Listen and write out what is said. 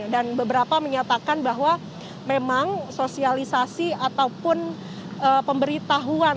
dan beberapa menyatakan bahwa memang sosialisasi ataupun pemberitahuan